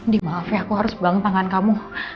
di maaf ya aku harus bang tangan kamu